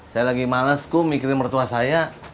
saya lagi males kok mikirin mertua saya